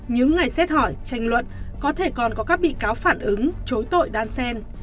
những ngày xét hỏi tranh luận có thể còn có các bi cáo phản ứng chối tội đan xen